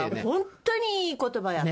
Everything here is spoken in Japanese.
本当にいい言葉やった。